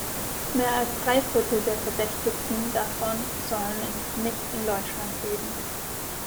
Mehr als drei Viertel der Verdächtigten davon sollen nicht in Deutschland leben.